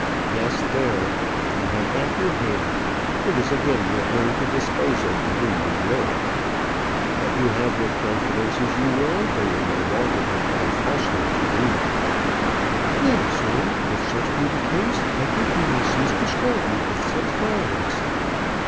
"Yes; there. You have back your hand. It is again your own to dispose of to whom you will. Let you have what confidences you will, they will no longer imply falsehood to me." "Then, sir, if such be the case, I think you may cease to scold me with such violence."